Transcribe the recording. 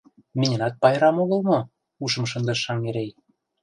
— Миньынат пайрам огыл мо? — ушым шындыш Шаҥгерей.